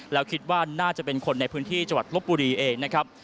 แล้วคิดว่าน่าจะเป็นคนในพื้นที่จังหวัดลบบุรีเองนะครับ